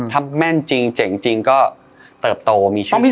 ถ้าแม่นจริงเจ๋งจริงก็เติบโตมีชีวิต